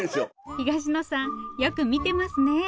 東野さんよく見てますね。